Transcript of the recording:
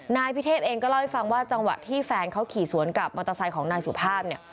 นายพิเทพเองก็เล่าให้ฟังว่าจังหวะที่แฟนเขาขี่สวนกับมอเตอร์ไซค์ของนายสุภาพเนี่ย